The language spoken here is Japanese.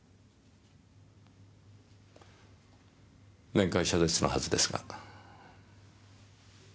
面会謝絶のはずですが。